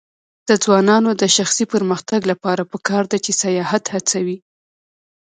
د ځوانانو د شخصي پرمختګ لپاره پکار ده چې سیاحت هڅوي.